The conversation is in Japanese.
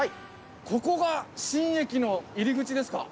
ここが新駅の入り口ですか？